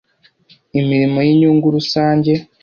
imirimo y inyungu rusange